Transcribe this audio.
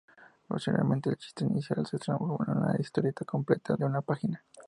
Posteriormente, el chiste inicial se transformó en una historieta completa de una página.